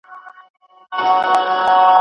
دغه ځانګړتیاوې یوه صالحه میرمن له نورو څخه بيلوي.